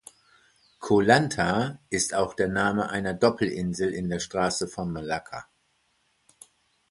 Ko Lanta ist auch der Name einer Doppel-Insel in der Straße von Malakka.